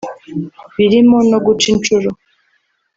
birimo no guca inshuro